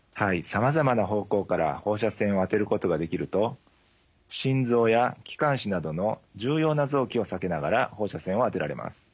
さまざまな方向から放射線を当てることができると心臓や気管支などの重要な臓器を避けながら放射線を当てられます。